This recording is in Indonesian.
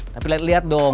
tapi liat liat dong